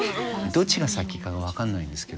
どっちが先かは分かんないんですけど。